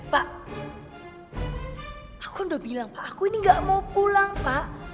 pak aku udah bilang pak aku ini gak mau pulang pak